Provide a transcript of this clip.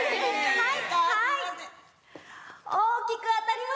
はい。